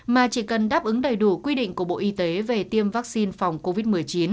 mà chỉ cần đáp ứng đầy đủ quy định của bộ y tế về tiêm vaccine phòng covid một mươi chín